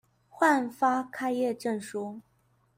換發開業證書